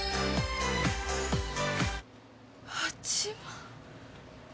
８万。